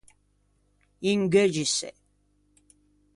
Ingheuggise.